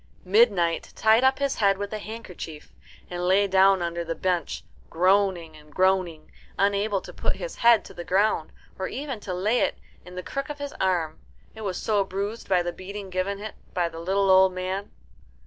Midnight tied up his head with a handkerchief, and lay down under the bench, groaning and groaning, unable to put his head to the ground, or even to lay it in the crook of his arm, it was so bruised by the beating given it by the little old man.